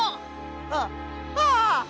あっああ！